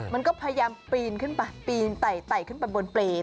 มันก็พยายามปีนขึ้นไปปีนไต่ขึ้นไปบนเปรย์